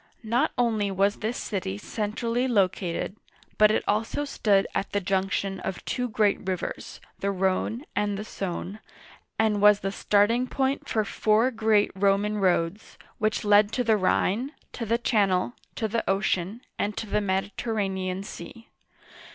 Not only was this city centrally located, but it also stood at the junction of two great rivers, the Rhone and the Sadne, and was the starting point for four great Roman roads, which Roman Aqueduct near Nines. led to the Rhine, to the Channel, to the ocean, and to the Mediterranean Sea.